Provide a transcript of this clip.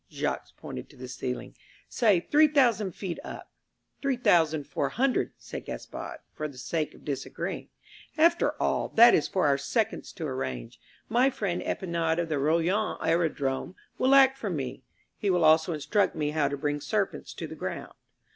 Jacques pointed to the ceiling. "Say three thousand feet up." "Three thousand four hundred," said Gaspard for the sake of disagreeing. "After all, that is for our seconds to arrange. My friend Epinard of the Roullens Aerodrome will act for me. He will also instruct me how to bring serpents to the ground."